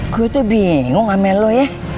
gue tuh bingung sama lu ya